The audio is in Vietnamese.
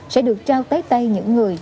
sẽ được trao tới tay những người